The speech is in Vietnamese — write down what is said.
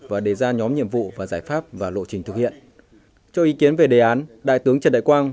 và đề ra nhóm nhiệm vụ và giải pháp và lộ trình thực hiện cho ý kiến về đề án đại tướng trần đại quang